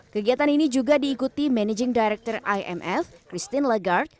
kegiatan ini juga diikuti managing director imf christine lagarde